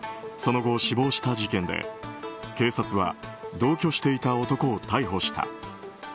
その後、死亡した事件で警察は同居していた男を逮捕した。